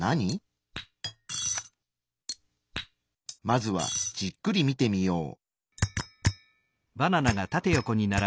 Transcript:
まずはじっくり見てみよう。